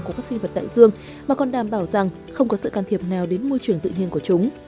của các sinh vật đại dương mà còn đảm bảo rằng không có sự can thiệp nào đến môi trường tự nhiên của chúng